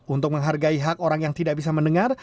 untuk menghargai hak orang yang tidak bisa mendengar